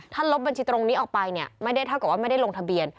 ถ้าลบบัญชีตรงนี้ออกไปเนี่ยไม่ได้เท่ากับว่าไม่ได้ลงทะเบียน